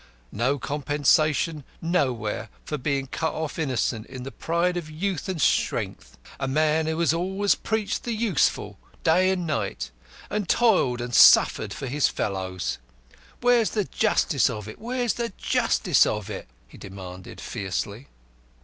No compensation nowhere for being cut off innocent in the pride of youth and strength! A man who has always preached the Useful day and night, and toiled and suffered for his fellows. Where's the justice of it, where's the justice of it?" he demanded fiercely.